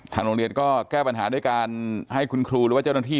โรงเรียนก็แก้ปัญหาด้วยการให้คุณครูหรือว่าเจ้าหน้าที่